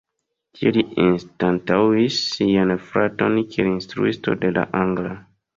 Tie li anstataŭis sian fraton kiel instruisto de la angla.